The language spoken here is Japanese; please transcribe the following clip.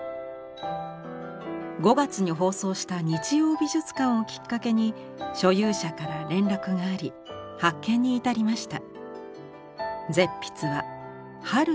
５月に放送した「日曜美術館」をきっかけに所有者から連絡があり発見に至りました。